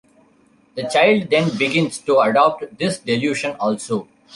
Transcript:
The child then begins to adopt this delusion also.